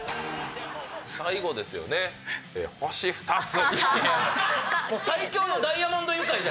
最後ですよね、星２つ。